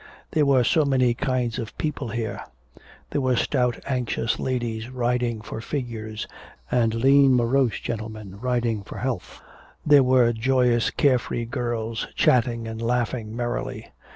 There were so many kinds of people here. There were stout anxious ladies riding for figures and lean morose gentlemen riding for health. There were joyous care free girls, chatting and laughing merrily.